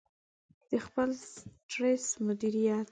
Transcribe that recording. -د خپل سټرس مدیریت